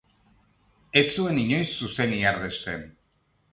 Ez zuen inoiz zuzen ihardesten